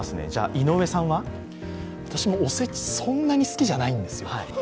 私もおせち、そんなに好きじゃないんですよ。